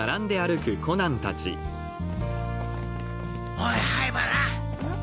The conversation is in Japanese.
おい灰原。